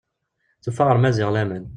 Tufa ɣer Maziɣ laman.